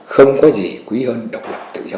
không có gì quý hơn độc lập tự do